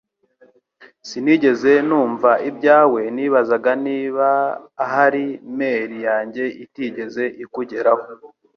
Sinigeze numva ibyawe Nibazaga niba ahari mail yanjye itigeze ikugeraho